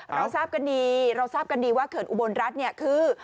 เราทราบกันดีเราทราบกันดีว่าเขินอุบลรัฐเนี่ยคือ